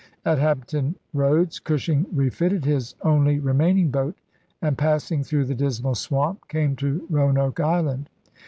At Hampton Roads Cushing refitted his only remaining boat, and pass ing through the Dismal Swamp came to Roanoke Island.